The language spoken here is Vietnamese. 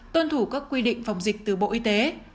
tuân thủ các quy định phòng dịch từ bộ y tế